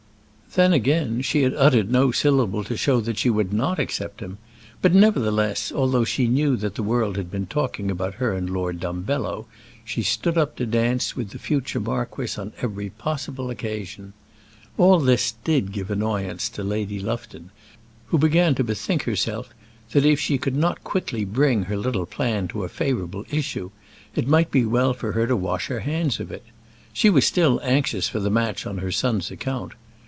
Then again she had uttered no syllable to show that she would not accept him; but, nevertheless, although she knew that the world had been talking about her and Lord Dumbello, she stood up to dance with the future marquess on every possible occasion. All this did give annoyance to Lady Lufton, who began to bethink herself that if she could not quickly bring her little plan to a favourable issue, it might be well for her to wash her hands of it. She was still anxious for the match on her son's account.